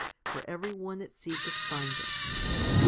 ^ For every one that seeketh, findeth.